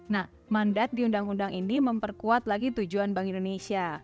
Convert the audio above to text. nah mandat di undang undang ini memperkuat lagi tujuan bank indonesia